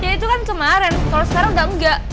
ya itu kan kemarin kalau sekarang gak gak